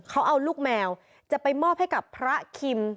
เขาเอาลูกแมวจะไปมอบให้กับพระคิม